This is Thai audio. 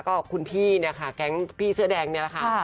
ก็คุณพี่เนี่ยค่ะแก๊งพี่เสื้อแดงนี่แหละค่ะ